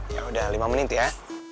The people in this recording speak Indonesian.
ya udah lima menit ya